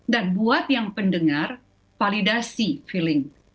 dan buat yang pendengar validasi feeling